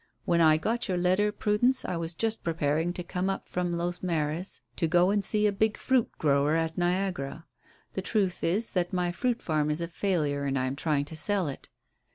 "When I got your letter, Prudence, I was just preparing to come up from Los Mares to go and see a big fruit grower at Niagara. The truth is that my fruit farm is a failure and I am trying to sell it."